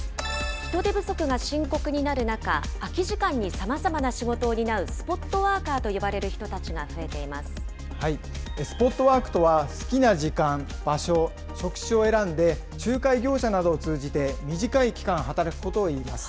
人手不足が深刻になる中、空き時間にさまざまな仕事を担うスポットワーカーと呼ばれる人たスポットワークとは、好きな時間、場所、職種を選んで、仲介業者などを通じて短い期間、働くことをいいます。